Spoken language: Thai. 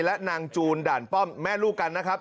และนางจูนด่านป้อมแม่ลูกกันนะครับ